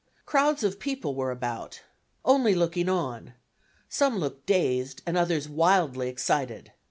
Crowds of people were about, only looking on some looked dazed, and others wildly excited.